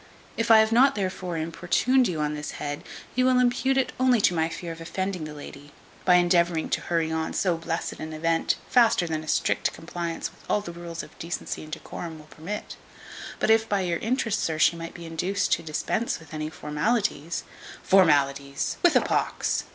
If I have not therefore importuned you on this head, you will impute it only to my fear of offending the lady, by endeavouring to hurry on so blessed an event faster than a strict compliance with all the rules of decency and decorum will permit. But if, by your interest, sir, she might be induced to dispense with any formalities " "Formalities! with a pox!"